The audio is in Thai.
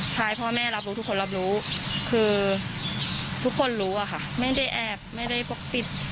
ใช่เพราะว่าแม่รับรู้ทุกคนรับรู้คือทุกคนรู้อะค่ะไม่ได้แอบไม่ได้ปกปิด